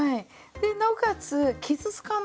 でなおかつ傷つかないんですね